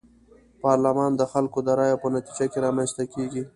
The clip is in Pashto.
پارلمان د خلکو د رايو په نتيجه کي رامنځته کيږي.